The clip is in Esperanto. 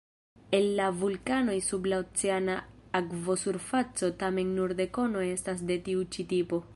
El la vulkanoj sub la oceana akvosurfaco tamen nur dekono estas de tiu-ĉi tipo.